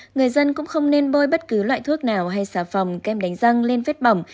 người dân cũng không nên bơi bất cứ loại thuốc nào hay xà phòng kem đánh răng lên vết bỏng